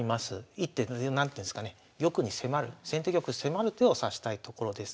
一手何ていうんですかね玉に迫る先手玉に迫る手を指したいところです。